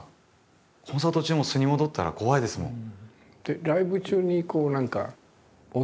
コンサート中もう素に戻ったら怖いですもん。